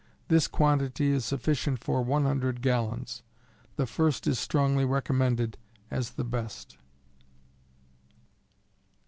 This quantity is sufficient for 100 gallons. The first is strongly recommended as the best.